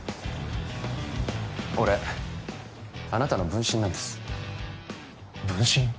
俺あなたの分身なんです分身？